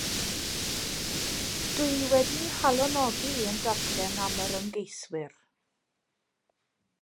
Dw i wedi 'nghalonogi yn darllen am yr ymgeiswyr.